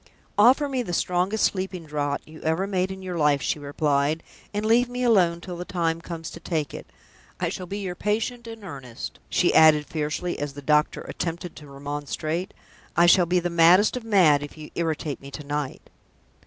"Offer me the strongest sleeping draught you ever made in your life," she replied. "And leave me alone till the time comes to take it. I shall be your patient in earnest!" she added, fiercely, as the doctor attempted to remonstrate. "I shall be the maddest of the mad if you irritate me to night!"